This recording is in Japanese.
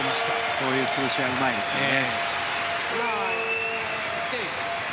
こういう潰し合いがうまいですね。